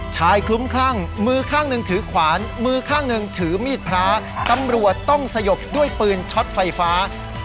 คลุ้มคลั่งมือข้างหนึ่งถือขวานมือข้างหนึ่งถือมีดพระตำรวจต้องสยบด้วยปืนช็อตไฟฟ้า